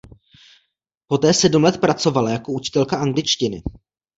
Poté sedm let pracovala jako učitelka angličtiny.